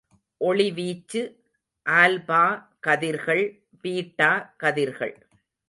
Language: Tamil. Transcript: ஒளி வீச்சு, ஆல்பா கதிர்கள், பீட்டா கதிர்கள்.